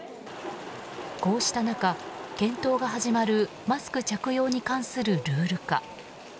こうした中、検討が始まるマスク着用に関するルール化。